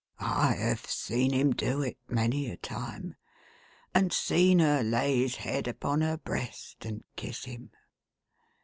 I have seen him do it, manv a time ; and seen her lay his head upon her breast, and kiss him.